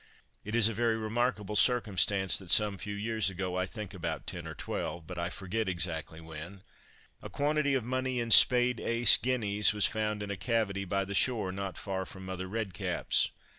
It is a very remarkable circumstance that some few years ago, I think about ten or twelve, but I forget exactly when, a quantity of money in spade ace guineas was found in a cavity by the shore, not far from Mother Redcap's.